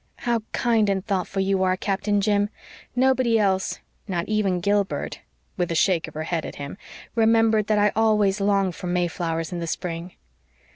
"How kind and thoughtful you are, Captain Jim. Nobody else not even Gilbert" with a shake of her head at him "remembered that I always long for mayflowers in spring."